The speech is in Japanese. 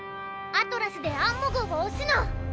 アトラスでアンモ号を押すの！